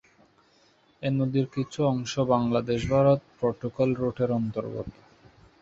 এ নদীর কিছু অংশ বাংলাদেশ-ভারত প্রটোকল রুটের অন্তর্গত।